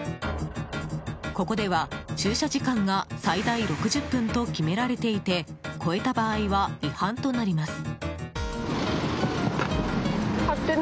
ここでは、駐車時間が最大６０分と決められていて超えた場合は違反となります。